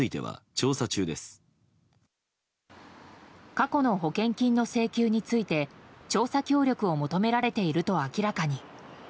過去の保険金の請求について調査協力を求められていると明らかに。